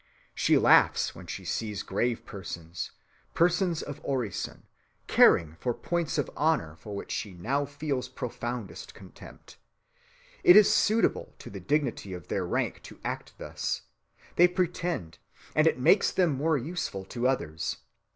She laughs when she sees grave persons, persons of orison, caring for points of honor for which she now feels profoundest contempt. It is suitable to the dignity of their rank to act thus, they pretend, and it makes them more useful to others.